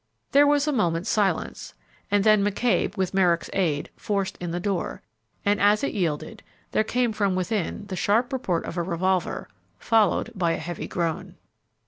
There was a moment's silence, and then McCabe, with Merrick's aid, forced in the door, and as it yielded there came from within the sharp report of a revolver, followed by a heavy groan.